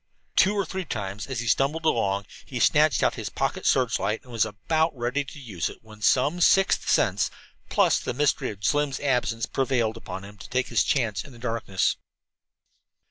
Two or three times as he stumbled along he snatched out his pocket searchlight and was about to use it, when some sixth sense, plus the mystery of Slim's absence, prevailed upon him to take his chances in the darkness.